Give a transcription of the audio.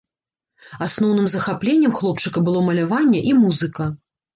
Асноўным захапленнем хлопчыка было маляванне і музыка.